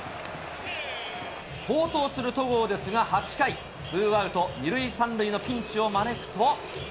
好投する戸郷ですが、８回、ツーアウト２塁３塁のピンチを招くと。